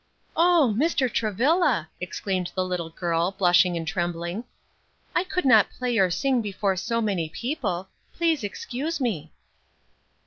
"Oh! Mr. Travilla!" exclaimed the little girl, blushing and trembling, "I could not play or sing before so many people. Please excuse me."